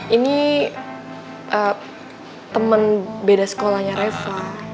ini teman beda sekolahnya reva